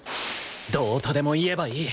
どうとでも言えばいい